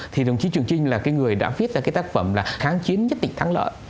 thì đồng chí trường trinh là người đã viết ra tác phẩm là kháng chiến nhất tịch thắng lợi